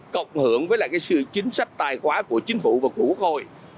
cộng hưởng với lại cái sự chính sách tài khoá của chính phủ và của quốc hội